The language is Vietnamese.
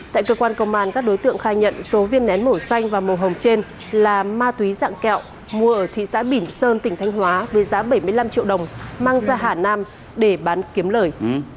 tại cơ quan công an các đối tượng khai nhận số viên nén màu xanh và màu hồng trên là ma túy dạng kẹo mua ở thị xã bỉm sơn tỉnh thanh hóa với giá bảy mươi năm triệu đồng mang ra hà nam để bán kiếm lời